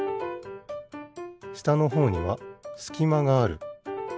したのほうにはすきまがある。